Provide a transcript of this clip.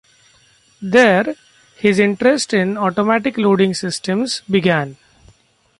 There, his interest in automatic loading systems began.